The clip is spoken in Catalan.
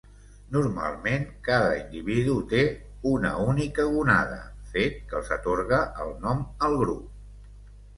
Normalment cada individu té una única gònada, fet que els atorga el nom al grup.